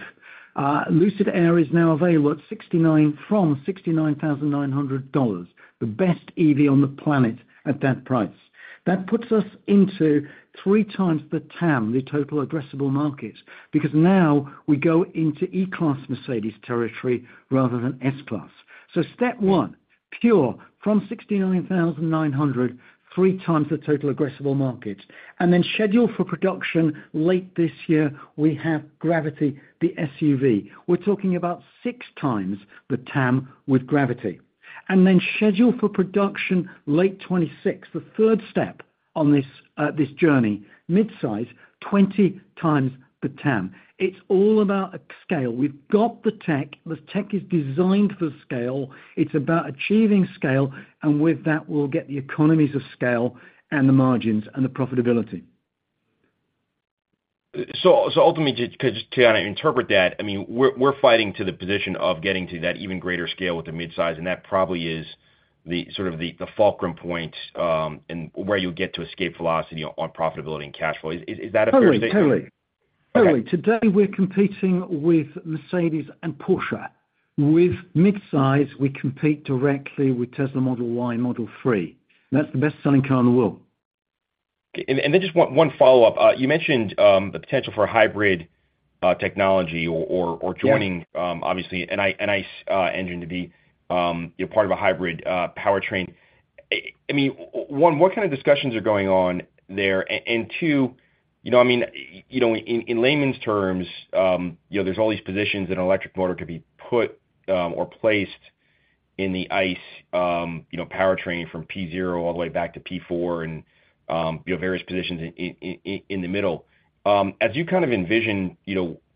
Lucid Air is now available at $69,900, the best EV on the planet at that price. That puts us into three times the TAM, the total addressable market, because now we go into E-class Mercedes territory rather than S-class. So step one, Pure from $69,900, three times the total addressable market. And then schedule for production late this year. We have Gravity, the SUV. We're talking about six times the TAM with Gravity. And then schedule for production late 2026, the third step on this journey, midsize, 20 times the TAM. It's all about scale. We've got the tech. The tech is designed for scale. It's about achieving scale. And with that, we'll get the economies of scale and the margins and the profitability. So ultimately, to kind of interpret that, I mean, we're fighting to the position of getting to that even greater scale with the midsize, and that probably is sort of the fulcrum point where you'll get to escape velocity on profitability and cash flow. Is that a fair statement? Totally. Totally. Today, we're competing with Mercedes and Porsche. With midsize, we compete directly with Tesla Model Y and Model 3. That's the best-selling car in the world. And then just one follow-up. You mentioned the potential for hybrid technology or joining, obviously, an ICE engine to be part of a hybrid powertrain. I mean, one, what kind of discussions are going on there? And two, I mean, in layman's terms, there's all these positions that an electric motor could be put or placed in the ICE powertrain from P0 all the way back to P4 and various positions in the middle. As you kind of envision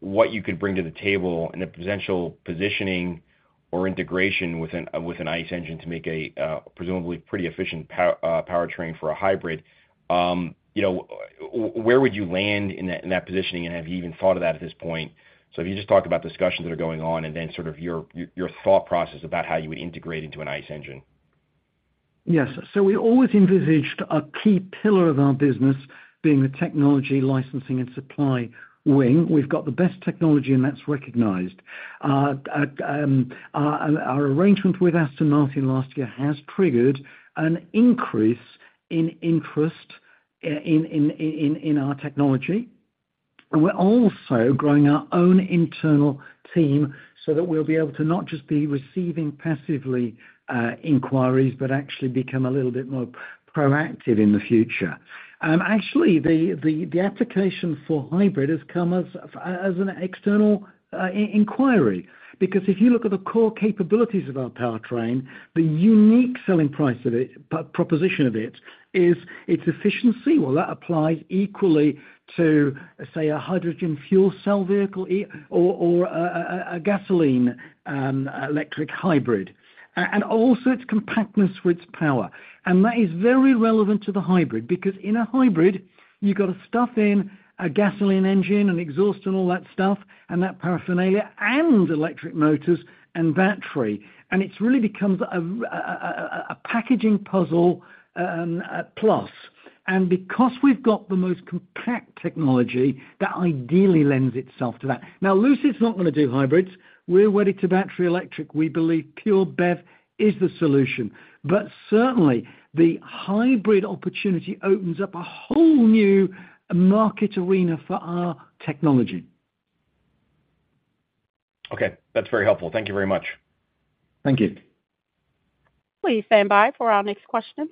what you could bring to the table and the potential positioning or integration with an ICE engine to make a presumably pretty efficient powertrain for a hybrid, where would you land in that positioning? And have you even thought of that at this point? So if you just talk about discussions that are going on and then sort of your thought process about how you would integrate into an ICE engine. Yes. So we always envisaged a key pillar of our business being the technology, licensing, and supply wing. We've got the best technology, and that's recognized. Our arrangement with Aston Martin last year has triggered an increase in interest in our technology. And we're also growing our own internal team so that we'll be able to not just be receiving passively inquiries but actually become a little bit more proactive in the future. Actually, the application for hybrid has come as an external inquiry because if you look at the core capabilities of our powertrain, the unique selling price proposition of it is its efficiency. Well, that applies equally to, say, a hydrogen fuel cell vehicle or a gasoline electric hybrid. And also, its compactness for its power. That is very relevant to the hybrid because in a hybrid, you've got to stuff in a gasoline engine, an exhaust, and all that stuff and that paraphernalia and electric motors and battery. It really becomes a packaging puzzle plus. Because we've got the most compact technology, that ideally lends itself to that. Now, Lucid's not going to do hybrids. We're ready to battery electric. We believe Pure BEV is the solution. But certainly, the hybrid opportunity opens up a whole new market arena for our technology. Okay. That's very helpful. Thank you very much. Thank you. Will you stand by for our next question?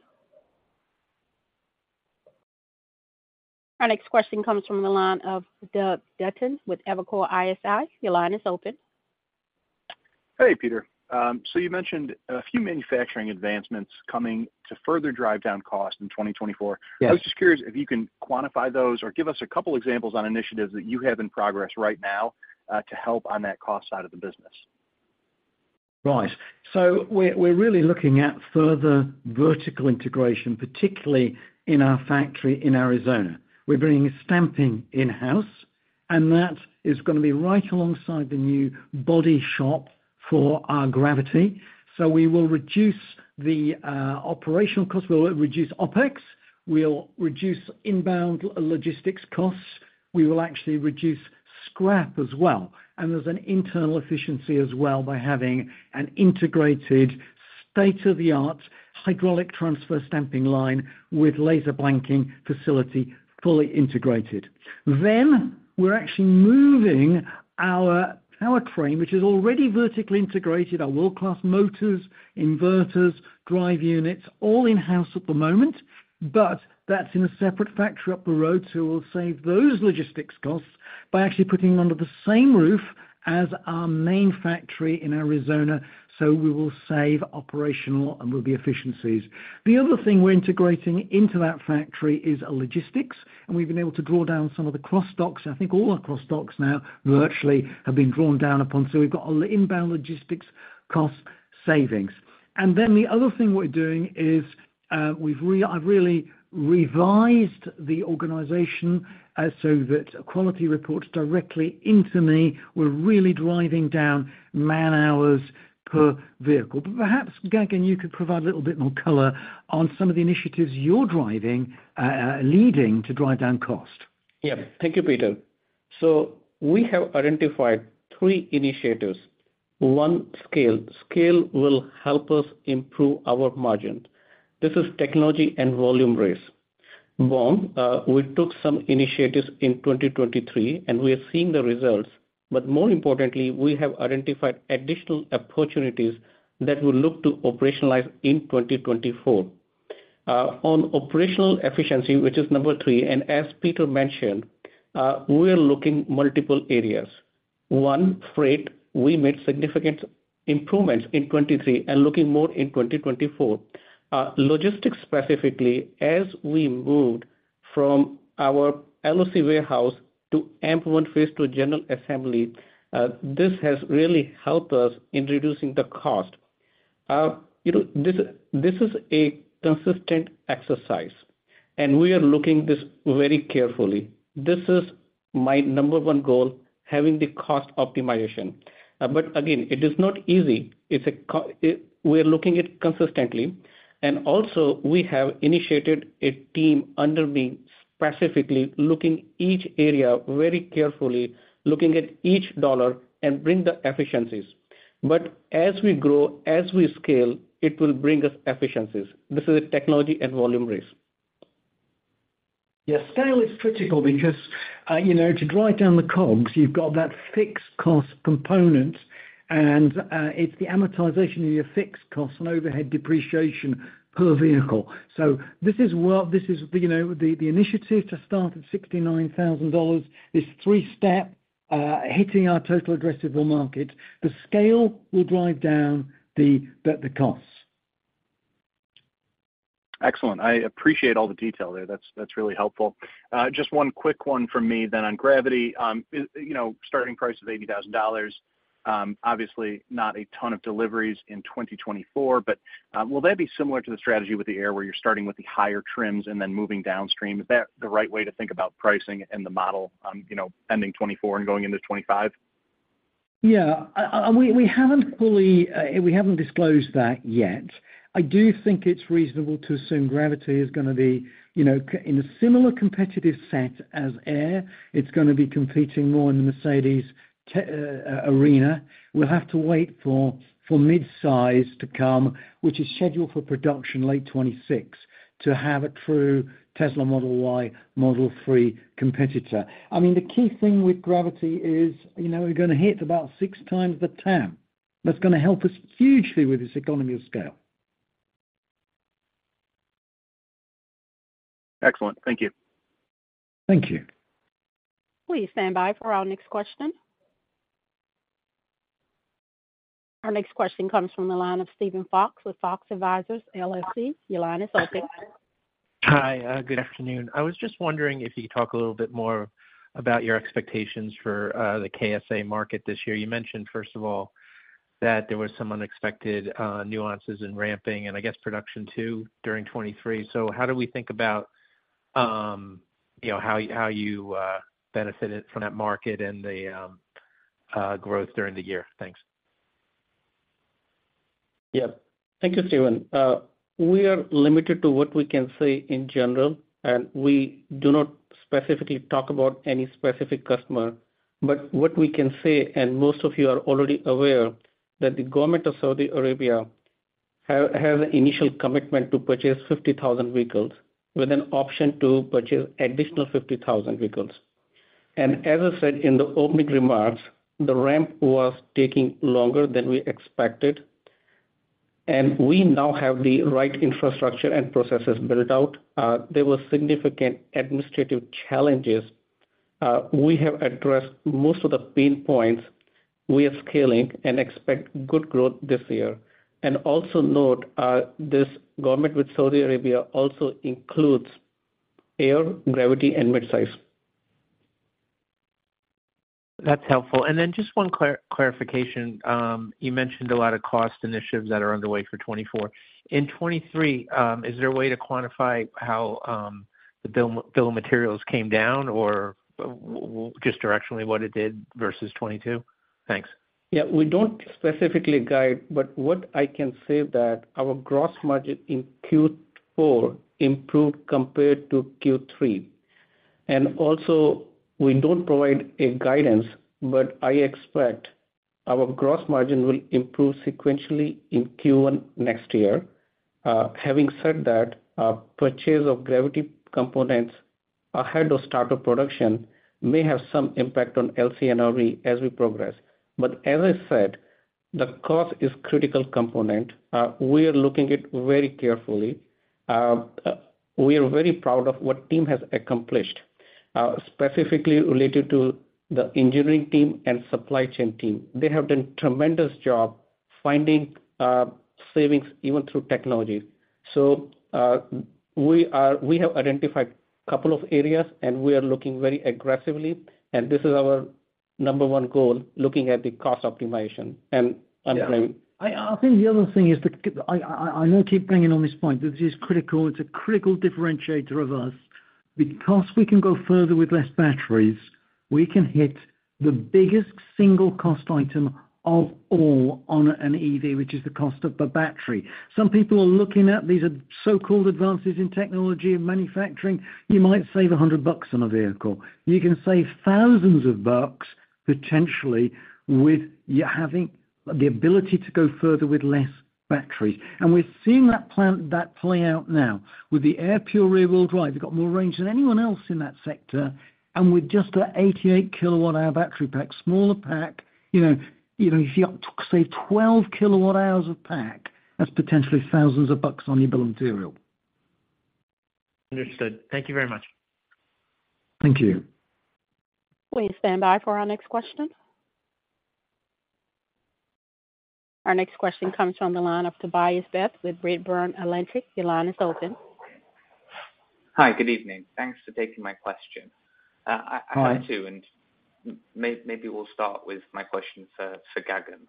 Our next question comes from the line of Doug Dutton with Evercore ISI. Your line is open. Hey, Peter. So you mentioned a few manufacturing advancements coming to further drive down cost in 2024. I was just curious if you can quantify those or give us a couple of examples on initiatives that you have in progress right now to help on that cost side of the business. Right. So we're really looking at further vertical integration, particularly in our factory in Arizona. We're bringing stamping in-house, and that is going to be right alongside the new body shop for our Gravity. So we will reduce the operational costs. We'll reduce OPEX. We'll reduce inbound logistics costs. We will actually reduce scrap as well. And there's an internal efficiency as well by having an integrated state-of-the-art hydraulic transfer stamping line with laser blanking facility fully integrated. Then we're actually moving our powertrain, which is already vertically integrated, our world-class motors, inverters, drive units, all in-house at the moment. But that's in a separate factory up the road who will save those logistics costs by actually putting them under the same roof as our main factory in Arizona. So we will save operational and will be efficiencies. The other thing we're integrating into that factory is logistics. And we've been able to draw down some of the cross docks. I think all our cross docks now virtually have been drawn down upon. So we've got all the inbound logistics cost savings. And then the other thing we're doing is I've really revised the organization so that quality reports directly into me were really driving down man-hours per vehicle. But perhaps, Gagan, you could provide a little bit more color on some of the initiatives you're driving leading to drive down cost. Yeah. Thank you, Peter. So we have identified 3 initiatives. 1, scale. Scale will help us improve our margin. This is technology and volume raise. Beyond, we took some initiatives in 2023, and we are seeing the results. But more importantly, we have identified additional opportunities that we'll look to operationalize in 2024. On operational efficiency, which is number 3, and as Peter mentioned, we are looking at multiple areas. one freight. We made significant improvements in 2023 and looking more in 2024. Logistics specifically, as we moved from our LOC warehouse to AMP-1 phase 2 general assembly, this has really helped us in reducing the cost. This is a consistent exercise, and we are looking at this very carefully. This is my number one goal, having the cost optimization. But again, it is not easy. We are looking at it consistently. Also, we have initiated a team under me specifically looking at each area very carefully, looking at each dollar, and bringing the efficiencies. But as we grow, as we scale, it will bring us efficiencies. This is a technology and volume raise. Yeah. Scale is critical because to drive down the COGS, you've got that fixed cost component, and it's the amortization of your fixed costs and overhead depreciation per vehicle. So this is the initiative to start at $69,000. It's three-step, hitting our total addressable market. The scale will drive down the costs. Excellent. I appreciate all the detail there. That's really helpful. Just one quick one from me then on Gravity starting price is $80,000. Obviously, not a ton of deliveries in 2024. But will that be similar to the strategy with the Air where you're starting with the higher trims and then moving downstream? Is that the right way to think about pricing and the model ending 2024 and going into 2025? Yeah. We haven't fully disclosed that yet. I do think it's reasonable to assume Gravity is going to be in a similar competitive set as Air. It's going to be competing more in the Mercedes arena. We'll have to wait for midsize to come, which is scheduled for production late 2026, to have a true Tesla Model Y, Model 3 competitor. I mean, the key thing with Gravity is we're going to hit about 6x the TAM. That's going to help us hugely with this economy of scale. Excellent. Thank you. Thank you. Will you stand by for our next question? Our next question comes from the line of Steven Fox with Fox Advisors, LLC. Your line is open. Hi. Good afternoon. I was just wondering if you could talk a little bit more about your expectations for the KSA market this year. You mentioned, first of all, that there were some unexpected nuances in ramping, and I guess production too, during 2023. So how do we think about how you benefited from that market and the growth during the year? Thanks. Yeah. Thank you, Steven. We are limited to what we can say in general, and we do not specifically talk about any specific customer. But what we can say, and most of you are already aware, is that the government of Saudi Arabia has an initial commitment to purchase 50,000 vehicles with an option to purchase additional 50,000 vehicles. As I said in the opening remarks, the ramp was taking longer than we expected. We now have the right infrastructure and processes built out. There were significant administrative challenges. We have addressed most of the pain points. We are scaling and expect good growth this year. Also note, this government with Saudi Arabia also includes Air, Gravity, and midsize. That's helpful. And then just one clarification. You mentioned a lot of cost initiatives that are underway for 2024. In 2023, is there a way to quantify how the bill of materials came down or just directionally what it did versus 2022? Thanks. Yeah. We don't specifically guide, but what I can say is that our gross margin in Q4 improved compared to Q3. And also, we don't provide guidance, but I expect our gross margin will improve sequentially in Q1 next year. Having said that, purchase of Gravity components ahead of start of production may have some impact on LCNRV as we progress. But as I said, the cost is a critical component. We are looking at it very carefully. We are very proud of what the team has accomplished, specifically related to the engineering team and supply chain team. They have done a tremendous job finding savings even through technology. So we have identified a couple of areas, and we are looking very aggressively. And this is our number one goal, looking at the cost optimization. And I'm going to. Yeah. I think the other thing is, I know I keep bringing on this point. This is critical. It's a critical differentiator of us. Because we can go further with less batteries, we can hit the biggest single cost item of all on an EV, which is the cost of the battery. Some people are looking at these so-called advances in technology and manufacturing. You might save 100 bucks on a vehicle. You can save thousands of bucks, potentially, with having the ability to go further with less batteries. And we're seeing that play out now with the Air Pure rear-wheel drive. You've got more range than anyone else in that sector. And with just an 88 kWh battery pack, smaller pack, if you save 12 kWh of pack, that's potentially thousands of bucks on your bill of material. Understood. Thank you very much. Thank you. Will you stand by for our next question? Our next question comes from the line of Tobias Beith with Redburn Atlantic. Your line is open. Hi. Good evening. Thanks for taking my question. I have two, and maybe we'll start with my question for Gagan.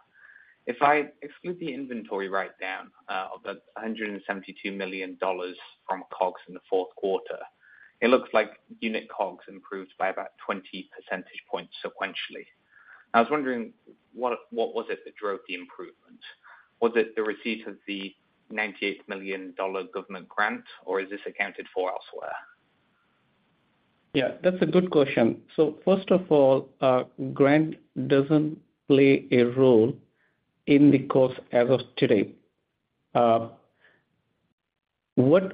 If I exclude the inventory write-down of the $172 million from COGS in the fourth quarter, it looks like unit COGS improved by about 20 percentage points sequentially. I was wondering, what was it that drove the improvement? Was it the receipt of the $98 million government grant, or is this accounted for elsewhere? Yeah. That's a good question. So first of all, grant doesn't play a role in the cost as of today. As I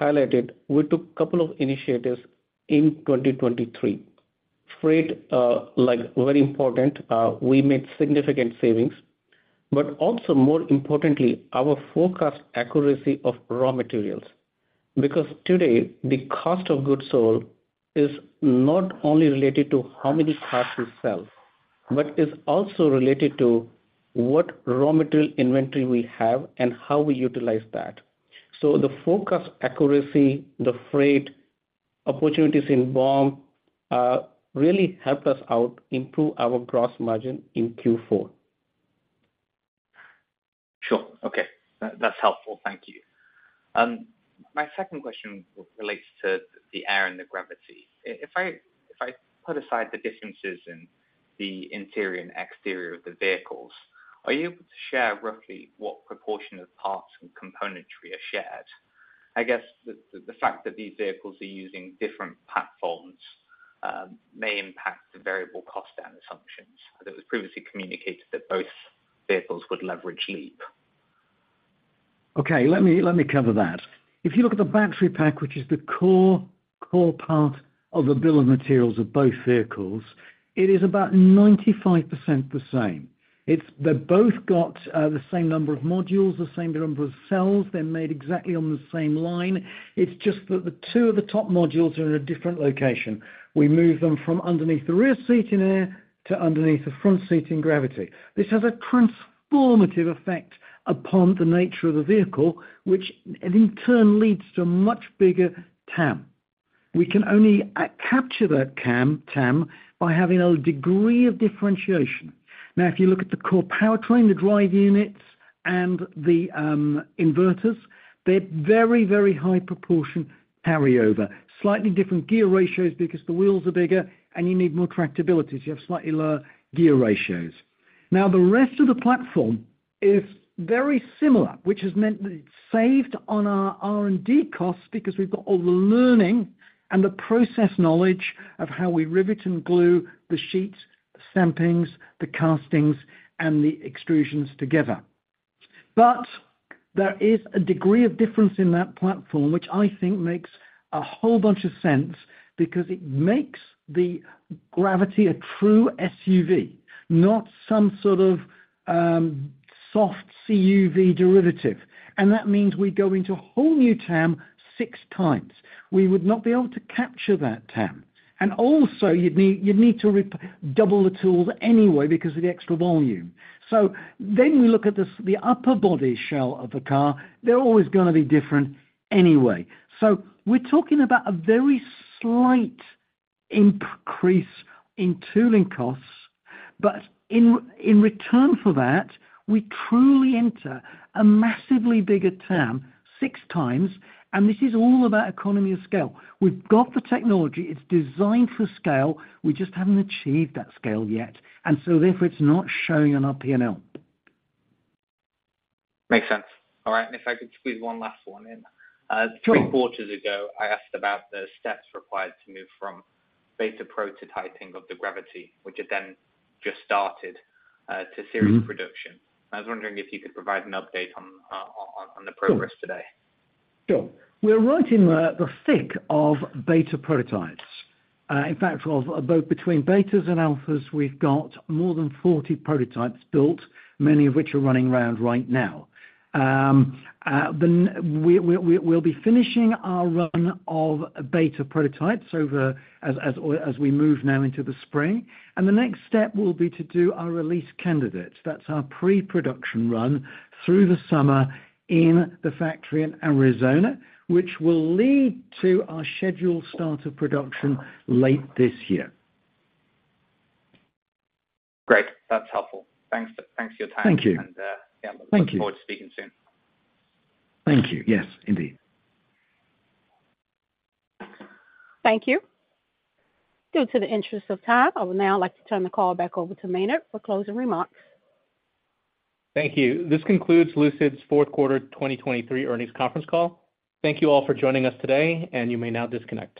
highlighted, we took a couple of initiatives in 2023. Freight, very important. We made significant savings. But also, more importantly, our forecast accuracy of raw materials. Because today, the cost of goods sold is not only related to how many cars we sell but is also related to what raw material inventory we have and how we utilize that. So the forecast accuracy, the freight opportunities inbound really helped us out, improved our gross margin in Q4. Sure. Okay. That's helpful. Thank you. My second question relates to the Air and the Gravity. If I put aside the differences in the interior and exterior of the vehicles, are you able to share roughly what proportion of parts and componentry are shared? I guess the fact that these vehicles are using different platforms may impact the variable cost down assumptions. It was previously communicated that both vehicles would leverage LEAP. Okay. Let me cover that. If you look at the battery pack, which is the core part of the bill of materials of both vehicles, it is about 95% the same. They've both got the same number of modules, the same number of cells. They're made exactly on the same line. It's just that the two of the top modules are in a different location. We move them from underneath the rear seat in Air to underneath the front seat in Gravity. This has a transformative effect upon the nature of the vehicle, which in turn leads to a much bigger TAM. We can only capture that TAM by having a degree of differentiation. Now, if you look at the core powertrain, the drive units, and the inverters, they're very, very high-proportion carryover, slightly different gear ratios because the wheels are bigger, and you need more tractability. So you have slightly lower gear ratios. Now, the rest of the platform is very similar, which has meant that it's saved on our R&D costs because we've got all the learning and the process knowledge of how we rivet and glue the sheets, the stampings, the castings, and the extrusions together. But there is a degree of difference in that platform, which I think makes a whole bunch of sense because it makes the Gravity a true SUV, not some sort of soft CUV derivative. And that means we go into a whole new TAM 6x. We would not be able to capture that TAM. And also, you'd need to double the tools anyway because of the extra volume. So then we look at the upper body shell of the car. They're always going to be different anyway. So we're talking about a very slight increase in tooling costs. But in return for that, we truly enter a massively bigger TAM 6x. And this is all about economy of scale. We've got the technology. It's designed for scale. We just haven't achieved that scale yet. And so therefore, it's not showing on our P&L. Makes sense. All right. And if I could squeeze one last one in. Three quarters ago, I asked about the steps required to move from beta prototyping of the Gravity, which had then just started, to series production. I was wondering if you could provide an update on the progress today. Sure. We're right in the thick of beta prototypes. In fact, both between betas and alphas, we've got more than 40 prototypes built, many of which are running around right now. We'll be finishing our run of beta prototypes as we move now into the spring. And the next step will be to do our release candidates. That's our pre-production run through the summer in the factory in Arizona, which will lead to our scheduled start of production late this year. Great. That's helpful. Thanks for your time. Thank you. Yeah, looking forward to speaking soon. Thank you. Yes, indeed. Thank you. Due to the interest of time, I would now like to turn the call back over to Maynard for closing remarks. Thank you. This concludes Lucid's Fourth Quarter 2023 Earnings Conference Call. Thank you all for joining us today, and you may now disconnect.